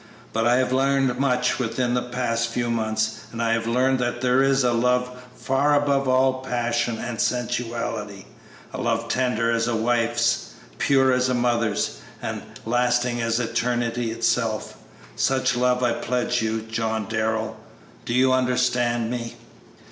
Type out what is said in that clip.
But I have learned much within the past few months, and I have learned that there is a love far above all passion and sensuality; a love tender as a wife's, pure as a mother's, and lasting as eternity itself. Such love I pledge you, John Darrell. Do you understand me?"